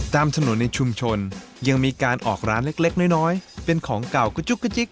ตามถนนในชุมชนยังมีการออกร้านเล็กน้อยเป็นของเก่ากระจุกกระจิ๊ก